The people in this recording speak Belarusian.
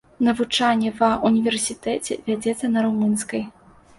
Навучанне ва ўніверсітэце вядзецца на румынскай.